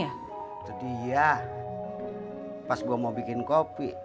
itu dia pas gue mau bikin kopi